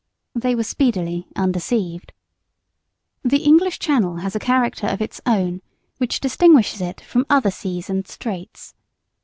They were speedily undeceived! The English Channel has a character of its own, which distinguishes it from other seas and straits.